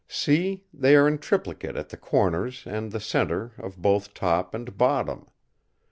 See! they are in triplicate at the corners and the centre of both top and bottom.